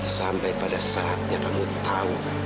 sampai pada saatnya kamu tahu